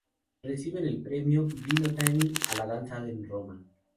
Reciben el premio "Gino Tani" a la danza en Roma.